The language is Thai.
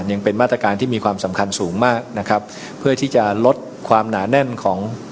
ยังเป็นมาตรการที่มีความสำคัญสูงมากนะครับเพื่อที่จะลดความหนาแน่นของ